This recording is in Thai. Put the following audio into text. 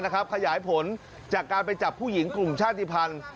ขยายผลจากการไปจับผู้หญิงกลุ่มชาติภัณฑ์